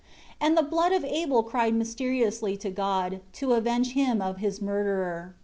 10 And the blood of Abel cried mysteriously to God, to avenge him of his murderer.